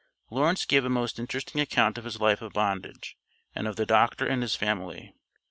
Lawrence gave a most interesting account of his life of bondage, and of the doctor and his family.